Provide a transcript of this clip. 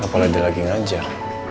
gak boleh dia lagi ngajar